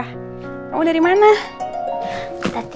kamu dari mana